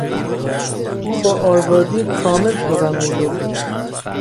او با آزادی کامل سخن میگفت.